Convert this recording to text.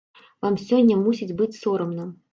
Вам сёння мусіць быць сорамна.